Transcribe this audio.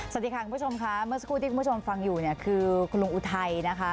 สวัสดีค่ะคุณผู้ชมค่ะเมื่อสักครู่ที่คุณผู้ชมฟังอยู่เนี่ยคือคุณลุงอุทัยนะคะ